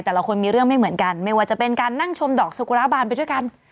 แต่ละคนมีเรื่องไม่เหมือนกันไม่ว่าจะเป็นการนั่งชมดอกสุกุระบานไปด้วยกัน